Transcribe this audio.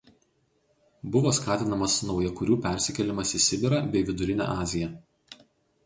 Buvo skatinamas naujakurių persikėlimas į Sibirą bei Vidurinę Aziją.